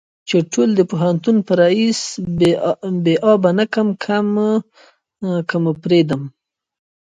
چې ټول د پوهنتون په ريس بې آبه نه کم که مو پرېدم.